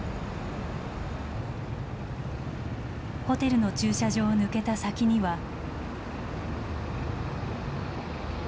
ホテルの駐車場を抜けた先には。